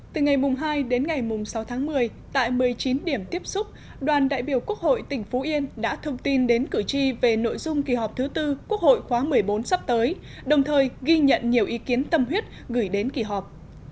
từ ngày hai đến ngày sáu tháng một mươi tại một mươi chín điểm tiếp xúc đoàn đại biểu quốc hội tỉnh phú yên đã thông tin đến cử tri về nội dung kỳ họp thứ tư quốc hội khóa một mươi bốn sắp tới đồng thời ghi nhận nhiều ý kiến tâm huyết gửi đến kỳ họp